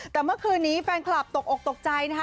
แต่เมื่อคืนนี้แฟนคลับตกอกตกใจนะคะ